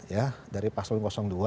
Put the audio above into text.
ya dari pasal dua